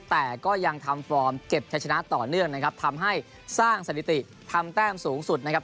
แต่ก็ยังทำฟอร์มเก็บใช้ชนะต่อเนื่องนะครับทำให้สร้างสถิติทำแต้มสูงสุดนะครับ